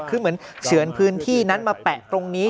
คือเหมือนเฉือนพื้นที่นั้นมาแปะตรงนี้